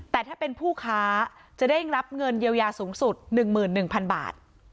แต่ถ้าเป็นผู้ค้าจะได้รับเงินเยียวยาสูงสุด๑๑๐๐๐บาท